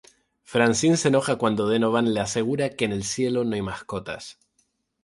Francine se enoja cuando Donovan le asegura que en el cielo no hay mascotas.